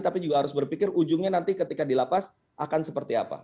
tapi juga harus berpikir ujungnya nanti ketika di lapas akan seperti apa